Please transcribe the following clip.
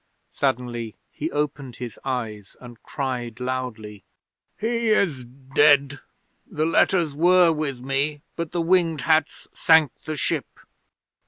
Suddenly he opened his eyes and cried loudly, "He is dead! The letters were with me, but the Winged Hats sank the ship."